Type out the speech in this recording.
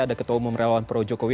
ada ketua umum relawan pro jokowi